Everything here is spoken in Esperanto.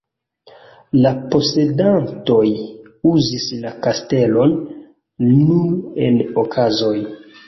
La posedantoj uzis la kastelon nur en okazoj.